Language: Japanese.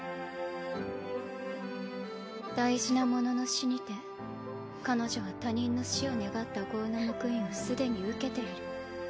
大事な者の死にて彼女は他人の死を願った業の報いをすでに受けている。